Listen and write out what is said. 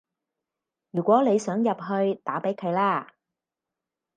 如果你想入去，打畀佢啦